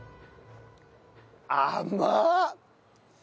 甘っ！